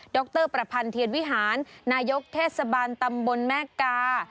รประพันธ์เทียนวิหารนายกเทศบาลตำบลแม่กา